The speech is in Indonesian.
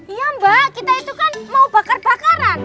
iya mbak kita itu kan mau bakar bakaran